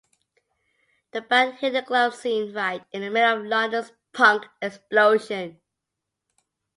The band hit the club scene right in the middle of London's punk explosion.